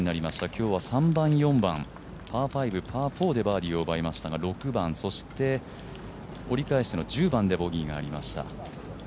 今日は３番、４番、パー５、パー４でバーディーを奪いましたが６番、折り返しての１０番でボギーがありました。